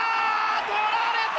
捕られた！